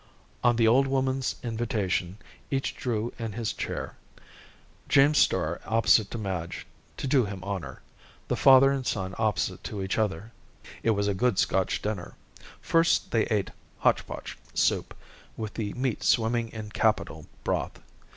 On the old woman's invitation, each drew in his chair, James Starr opposite to Madge—to do him honor—the father and son opposite to each other. It was a good Scotch dinner. First they ate "hotchpotch," soup with the meat swimming in capital broth.